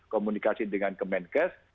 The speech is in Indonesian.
komunikasi dengan kemenkes